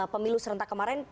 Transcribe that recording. pemilu serentak kemarin